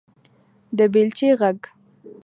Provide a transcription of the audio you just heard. _د بېلچې غږ